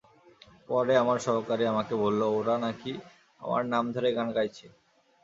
পরে আমার সহকারী আমাকে বলল—ওরা নাকি আমার নাম ধরে গান গাইছে।